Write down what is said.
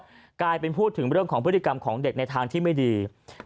สุดท้ายตัดสินใจเดินทางไปร้องทุกข์การถูกกระทำชำระวจริงและตอนนี้ก็มีภาวะซึมเศร้าด้วยนะครับ